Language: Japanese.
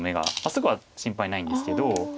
すぐは心配ないんですけど。